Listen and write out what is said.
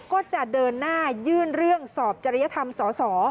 ก็จะเดินหน้ายื่นเรื่องสอบจริยธรรมสส